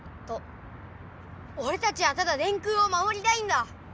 おれたちはただ電空をまもりたいんだ！